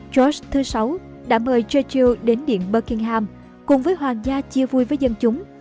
george vi đã mời churchill đến điện buckingham cùng với hoàng gia chia vui với dân chúng